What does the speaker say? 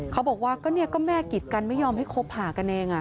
เขาบอกว่าก็แม่กิดกันไม่ยอมให้คบหากันเอง